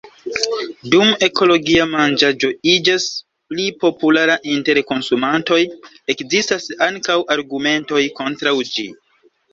Dum ekologia manĝaĵo iĝas pli populara inter konsumantoj, ekzistas ankaŭ argumentoj kontraŭ ĝi.